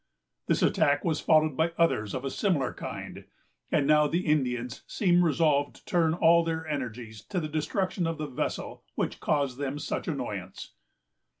This attack was followed by others of a similar kind; and now the Indians seemed resolved to turn all their energies to the destruction of the vessel which caused them such annoyance.